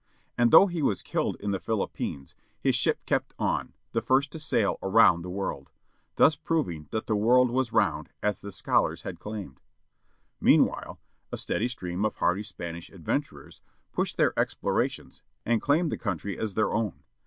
And though he was killed in the Philippines, his ship kept on, the first to sail around the world. Thus proving that the world was round, as the scholars had claimed. Meanwhile a steady stream of hardy Spanish J adventurers pushed their ex plorations, and claimed the country as their"*" A |M| own.